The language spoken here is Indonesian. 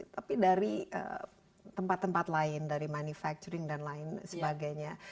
tapi dari tempat tempat lain dari manufacturing dan lain sebagainya